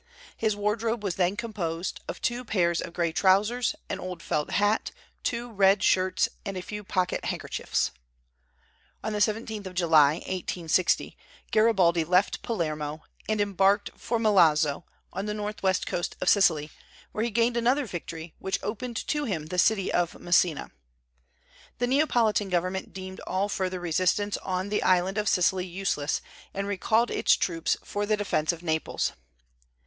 His wardrobe was then composed "of two pairs of gray trousers, an old felt hat, two red shirts, and a few pocket handkerchiefs." On the 17th of July, 1860, Garibaldi left Palermo, and embarked for Milazzo, on the northwest coast of Sicily, where he gained another victory, which opened to him the city of Messina. The Neapolitan government deemed all further resistance on the island of Sicily useless, and recalled its troops for the defence of Naples.